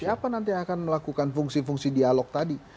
siapa nanti yang akan melakukan fungsi fungsi dialog tadi